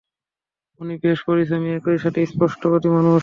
উনি বেশ পরিশ্রমী, একই সাথে স্পষ্টবাদী মানুষ।